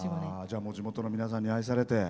地元の皆さんに愛されて。